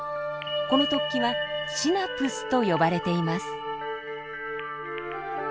この突起はシナプスと呼ばれています。